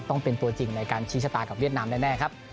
ต้องเป็นตัวจริงในการชี้ชะตากับเวียดนามแน่ครับ